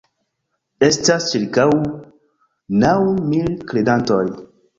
Estas ĉirkaŭ naŭ mil kredantoj.